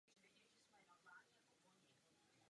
Pane předsedající, pane komisaři, rád bych uvedl tři body.